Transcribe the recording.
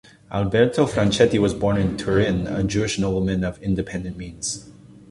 Alberto Franchetti was born in Turin, a Jewish nobleman of independent means.